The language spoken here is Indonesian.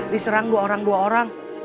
diserang dua orang dua orang